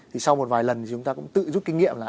thì sau một vài lần thì chúng ta cũng tự rút kinh nghiệm là